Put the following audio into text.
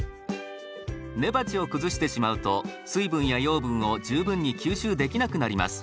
根鉢を崩してしまうと水分や養分を十分に吸収できなくなります。